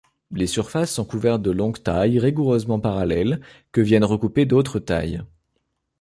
Les surfaces sont couvertes de longues tailles rigoureusement parallèles que viennent recouper d'autres tailles.